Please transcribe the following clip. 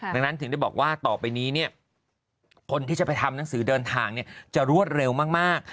ดังนั้นถึงได้บอกว่าต่อไปนี้คนที่จะไปทำหนังสือเดินทางจะรวดเร็วมาก